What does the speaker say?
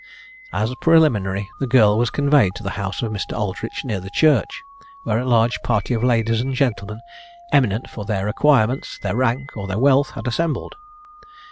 As a preliminary, the girl was conveyed to the house of Mr. Aldritch near the church, where a large party of ladies and gentlemen, eminent for their acquirements, their rank, or their wealth, had assembled.